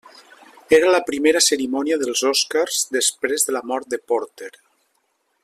Era la primera cerimònia dels Oscars després de la mort de Porter.